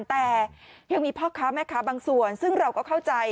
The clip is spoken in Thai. แต่ยังมีพ่อค้าแม่ค้าบางส่วนซึ่งเราก็เข้าใจ